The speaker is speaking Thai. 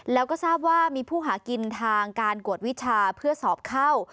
แล้วก็ทราบว่ามีผู้หากินทางการกวดวิชาเพื่อสอบเข้า